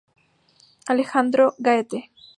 Alejandro Gaete